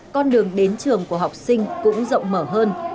con đường đến trường của học sinh cũng rộng mở hơn